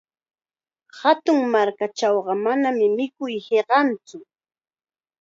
Hatun markakunachaw manam mikuy hiqantsu.